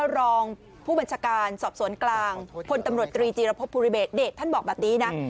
รองผู้บัญชาการสอบสวนกลางพลตำรวจตรีจีรพบภูริเดชท่านบอกแบบนี้นะ